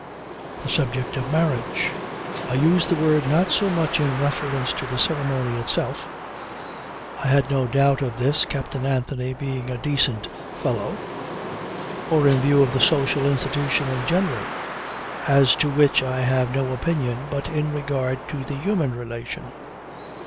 The subject of marriage. I use the word not so much in reference to the ceremony itself (I had no doubt of this, Captain Anthony being a decent fellow) or in view of the social institution in general, as to which I have no opinion, but in regard to the human relation.